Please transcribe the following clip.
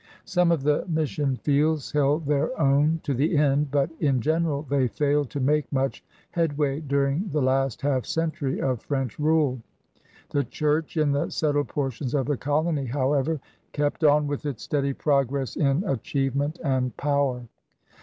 Some of the mission fields held their own to the end, but in general they failed to make much headway during the last half century of French rule. The Church in the settled portions of the colony, however, kept on with its steady progress in achievement and power.